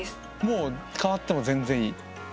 もう変わっても全然いい？